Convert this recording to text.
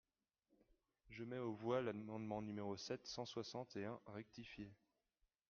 Je mets aux voix l’amendement numéro sept cent soixante et un rectifié.